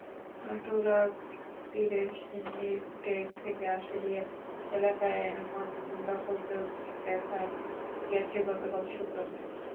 তুরাগতীরের সিন্নিরটেক থেকে আশুলিয়া এলাকায় এমন দখলযজ্ঞ দেখা গেছে গতকাল শুক্রবার।